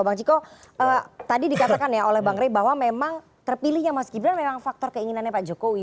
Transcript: bang ciko tadi dikatakan ya oleh bang rey bahwa memang terpilihnya mas gibran memang faktor keinginannya pak jokowi